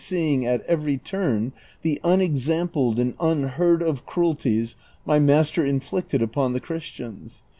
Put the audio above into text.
339 every turn the unexampled and unheard of cruelties my master in flicted upon the Christians.